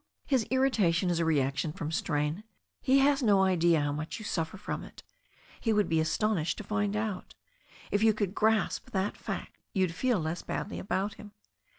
His irritation is a reaction from strain. He has no idea how much you suffer from it. He would be astonished to find out. If you could grasp that fact you'd feel less badly about him."